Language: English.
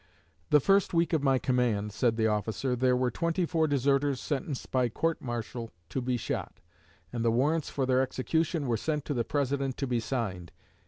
"The first week of my command," said the officer, "there were twenty four deserters sentenced by court martial to be shot, and the warrants for their execution were sent to the President to be signed.